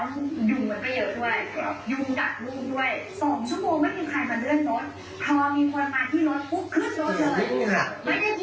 ยุ่งมันก็เยอะด้วยยุ่งดักรุ่งด้วยสองชั่วโปรงไม่มีใครมาเลื่อนรถ